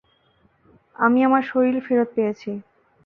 আমি আমার শরীর ফেরত পেয়েছি।